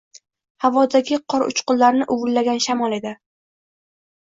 Havodagi qor uchqunlarini uvillagan shamol edi.